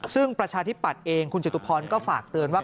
ซึ่งประชาธิปัตย์เองคุณจตุพรก็ฝากเตือนว่า